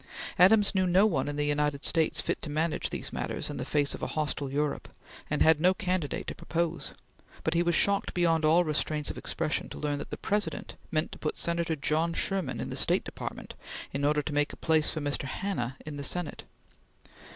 Adams knew no one in the United States fit to manage these matters in the face of a hostile Europe, and had no candidate to propose; but he was shocked beyond all restraints of expression to learn that the President meant to put Senator John Sherman in the State Department in order to make a place for Mr. Hanna in the Senate.